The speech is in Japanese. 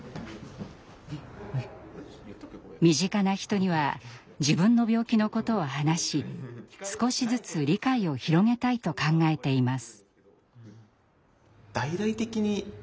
身近な人には自分の病気のことを話し少しずつ理解を広げたいと考えています。